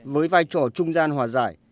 với vai trò trung gian hòa giải